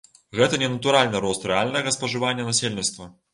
Гэта не натуральны рост рэальнага спажывання насельніцтва.